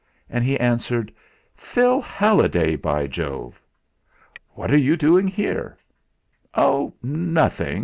And he answered: "Phil Halliday, by Jove!" "What are you doing here?" "Oh! nothing.